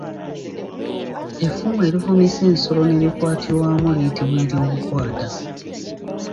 Effumu erifumise ensolo ne likwatirwamu liyitibwa eryobukwata.